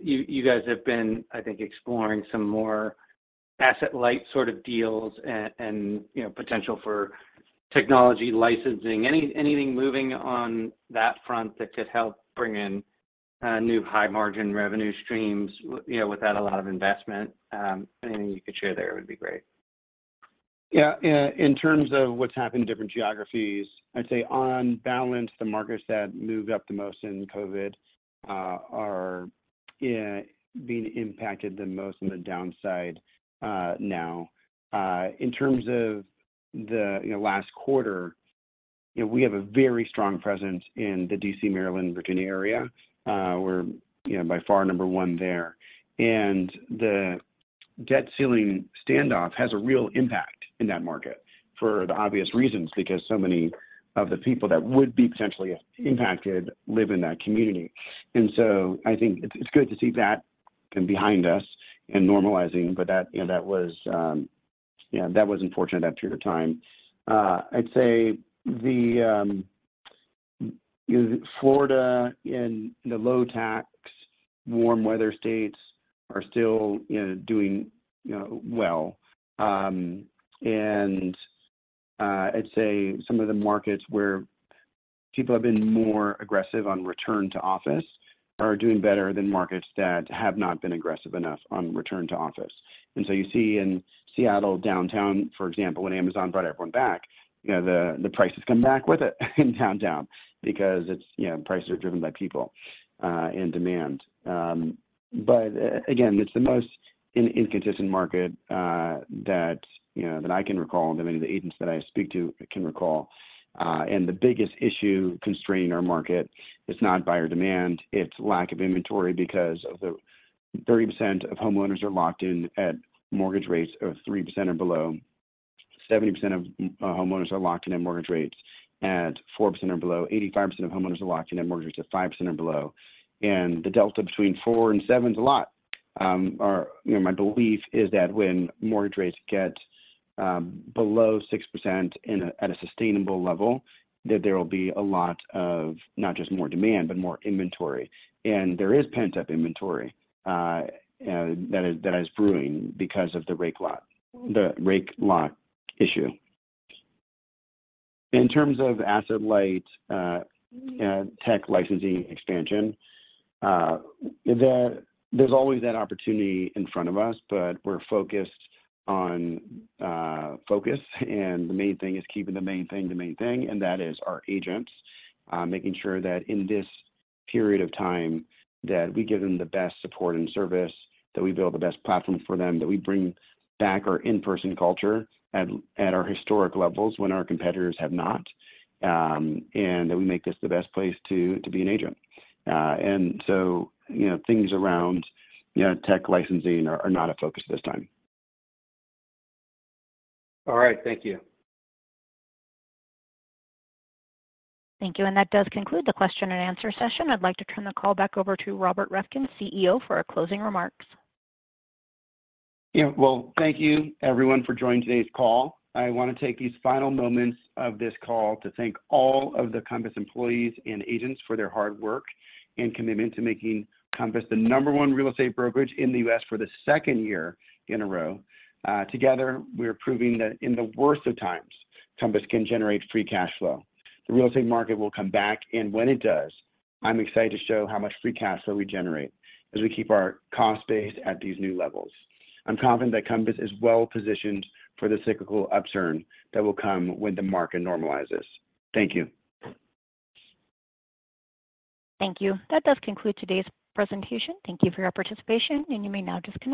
you, you guys have been, I think, exploring some more asset-light sort of deals and, you know, potential for technology licensing. Anything moving on that front that could help bring in, new high-margin revenue streams, you know, without a lot of investment? Anything you could share there would be great. Yeah. In terms of what's happened in different geographies, I'd say on balance, the markets that moved up the most in COVID, are being impacted the most on the downside, now. In terms of the, you know, last quarter, you know, we have a very strong presence in the DC, Maryland, Virginia area. We're, you know, by far number one there.... debt ceiling standoff has a real impact in that market for the obvious reasons, because so many of the people that would be potentially impacted live in that community. I think it's, it's good to see that come behind us and normalizing, but that, you know, that was, yeah, that was unfortunate that period of time. I'd say the Florida and the low tax, warm weather states are still, you know, doing, you know, well. I'd say some of the markets where people have been more aggressive on return to office are doing better than markets that have not been aggressive enough on return to office. You see in Seattle downtown, for example, when Amazon brought everyone back, you know, the price has come back with it in downtown because it's, you know, prices are driven by people and demand. Again, it's the most inconsistent market that, you know, that I can recall, that many of the agents that I speak to can recall. The biggest issue constraining our market is not buyer demand, it's lack of inventory because of the 30% of homeowners are locked in at mortgage rates of 3% or below. 70% of homeowners are locked in at mortgage rates at 4% or below. 85% of homeowners are locked in at mortgages at 5% or below, and the delta between four and seven is a lot. You know, my belief is that when mortgage rates get below 6% in a-- at a sustainable level, that there will be a lot of, not just more demand, but more inventory. There is pent-up inventory that is, that is brewing because of the rate lock- the rate lock issue. In terms of asset-light tech licensing expansion, there, there's always that opportunity in front of us, but we're focused on focus, and the main thing is keeping the main thing, the main thing, and that is our agents. making sure that in this period of time, that we give them the best support and service, that we build the best platform for them, that we bring back our in-person culture at, at our historic levels when our competitors have not, and that we make this the best place to, to be an agent. So, you know, things around, you know, tech licensing are, are not a focus at this time. All right. Thank you. Thank you, and that does conclude the question and answer session. I'd like to turn the call back over to Robert Reffkin, CEO, for our closing remarks. Yeah. Well, thank you everyone for joining today's call. I wanna take these final moments of this call to thank all of the Compass employees and agents for their hard work and commitment to making Compass the number one real estate brokerage in the U.S. for the second year in a row. Together, we are proving that in the worst of times, Compass can generate free cash flow. The real estate market will come back, and when it does, I'm excited to show how much free cash flow we generate as we keep our cost base at these new levels. I'm confident that Compass is well positioned for the cyclical upturn that will come when the market normalizes. Thank you. Thank you. That does conclude today's presentation. Thank you for your participation. You may now disconnect.